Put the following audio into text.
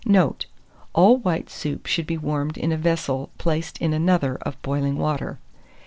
Note. All white soups should be warmed in a vessel placed in another of boiling water.